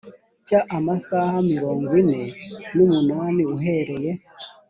cya amasaha mirongo ine n umunani uhereye